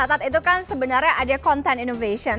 nah saat itu kan sebenarnya ada content innovation